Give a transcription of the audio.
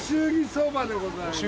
そうでございます。